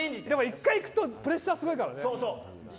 １回いくとプレッシャーすごいからね。